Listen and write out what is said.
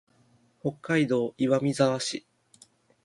北海道岩見沢市